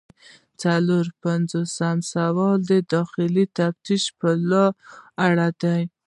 څلور پنځوسم سوال د داخلي تفتیش په اړه دی.